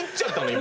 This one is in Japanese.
今。